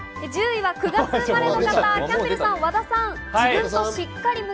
１０位は９月生まれの方、キャンベルさん、和田さん。